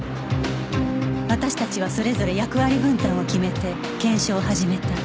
私たちはそれぞれ役割分担を決めて検証を始めた